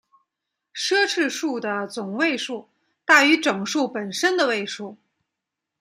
奢侈数的总位数大于整数本身的位数。